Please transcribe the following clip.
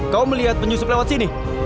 kau melihat penyusup lewat sini